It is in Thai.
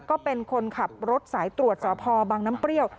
ก็เป็นคนขับรถสายตรวจสพบังน้ำเปรี้ยว